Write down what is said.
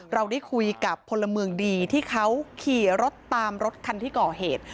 เราได้คุยกับพลเมืองดีที่เขาขี่รถตามรถคันที่ก่อเหตุ